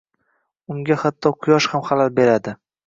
Unga hatto quyosh ham xalal beradi